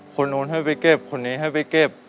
คนนู้นให้ไปเก็บคนนี้ให้ไปเก็บ